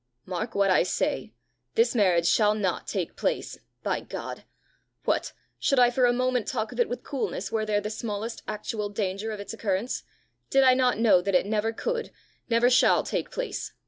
Mark what I say: this marriage shall not take place by God! What! should I for a moment talk of it with coolness were there the smallest actual danger of its occurrence did I not know that it never could, never shall take place!